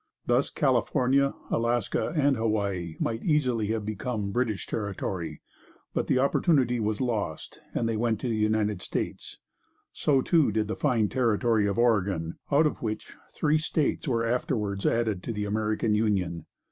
Thus California, Alaska, and Hawaii might easily have become British territory; but the opportunity was lost, and they went to the United States. So, too, did the fine territory of Oregon, out of which three states were afterwards added to the American Union.